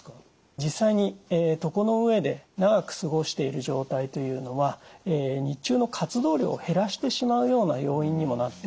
実際に床の上で長く過ごしている状態というのは日中の活動量を減らしてしまうような要因にもなってくるんですね。